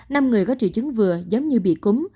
năm người có triệu chứng vừa giống như bị cúm